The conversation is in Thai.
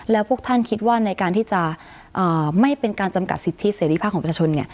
แล้วพวกท่านคิดว่าในการที่จะไม่เป็นการจำกัดสิทธิเสรีภาพของประชาชน